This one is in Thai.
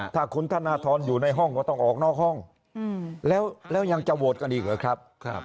ถ้าคุณธนทรอยู่ในห้องก็ต้องออกนอกห้องแล้วยังจะโหวตกันอีกหรือครับ